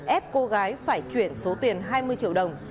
ép cô gái phải chuyển số tiền hai mươi triệu đồng